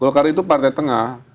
golkar itu partai tengah